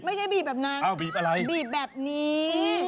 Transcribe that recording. ไม่ใช่บีบแบบนั้นบีบแบบนี้